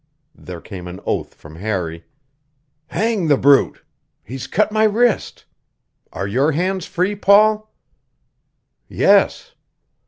There came an oath from Harry: "Hang the brute! He's cut my wrist. Are your hands free, Paul?" "Yes."